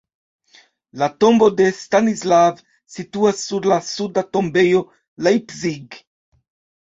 La tombo de Stanislav situas sur la suda tombejo Leipzig.